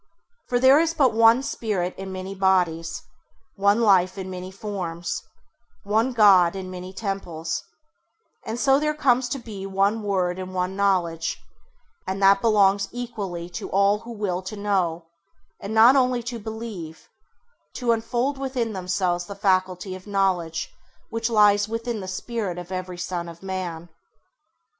For there is but one Spirit in many bodies, one Life in many forms, one God in many temples; and so there comes to be but one word and one knowledge, and that belongs equally to all who will to know [Page 15] and not only to believe, to unfold within themselves the faculty of knowledge which lies within the Spirit of every son of man.